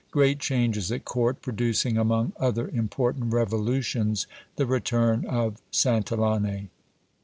Great changes at court, producing, among other important revolutions, the return of Santillane.